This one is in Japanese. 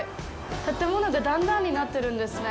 建物が段々になってるんですね。